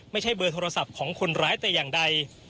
ไม่ใช่เบอร์โทรศัพท์ของคนร้ายแต่อย่างใด